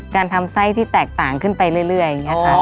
การทำไส้ที่แตกต่างขึ้นไปเรื่อย